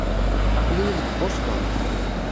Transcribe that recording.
Aql-iyi deg Boston.